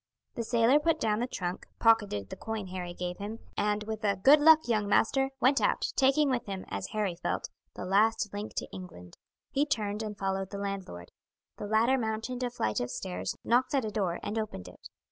The sailor put down the trunk, pocketed the coin Harry gave him, and with a "Good luck, young master!" went out, taking with him, as Harry felt, the last link to England. He turned and followed the landlord. The latter mounted a flight of stairs, knocked at a door, and opened it.